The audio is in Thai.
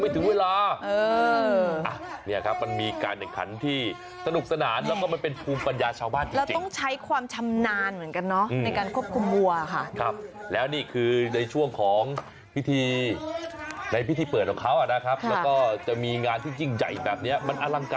แต่กฎคติกาหลักคือวิ่งเข้าไปพร้อมกันนะ